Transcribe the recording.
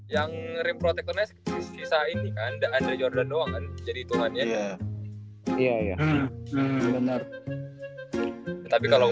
yang repotek meskipun bisa ini anda andre jordan doang jadi tuhan ya iya iya benar tapi kalau